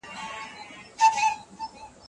هلمند د بېلابېلو قومونو د ورورولۍ کور دی.